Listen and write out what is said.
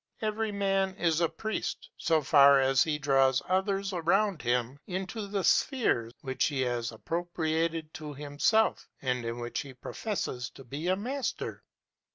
Every man is a priest, so far as he draws others around him, into the sphere which he has appropriated to himself and in which he professes to be a master.